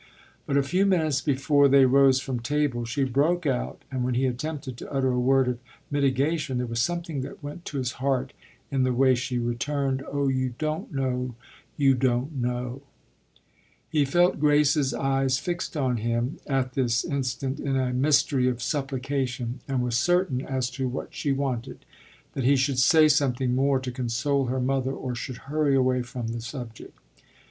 But a few minutes before they rose from table she broke out, and when he attempted to utter a word of mitigation there was something that went to his heart in the way she returned: "Oh you don't know you don't know!" He felt Grace's eyes fixed on him at this instant in a mystery of supplication, and was uncertain as to what she wanted that he should say something more to console her mother or should hurry away from the subject.